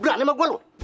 berani sama gue lo